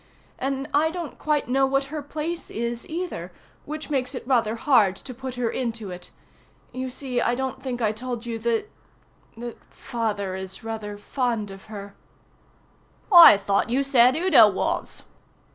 And I don't quite know what her place is either, which makes it rather had to put her into it. You see, I don't think I told you that that Father is rather fond of her." "I thought you said Udo was."